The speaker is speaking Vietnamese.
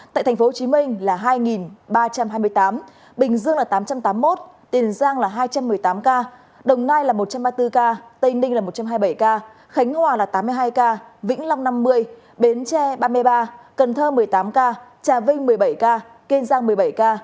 tại tp hcm là hai ba trăm hai mươi tám bình dương là tám trăm tám mươi một tiền giang là hai trăm một mươi tám ca đồng nai là một trăm ba mươi bốn ca tây ninh là một trăm hai mươi bảy ca khánh hòa là tám mươi hai ca vĩnh long năm mươi bến tre ba mươi ba cần thơ một mươi tám ca trà vinh một mươi bảy ca kiên giang một mươi bảy ca